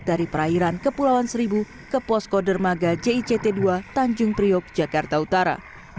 dari perairan kepulauan seribu ke posko dermaga jict dua tanjung priok jakarta utara